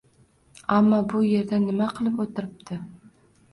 Ammo bu yerda nima qilib o’tiribdi?